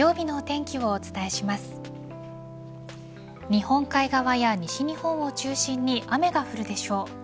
日本海側や西日本を中心に雨が降るでしょう。